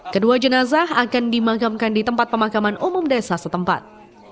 kedua jenazah akan dimakamkan di tempat pemakaman umum desa setempat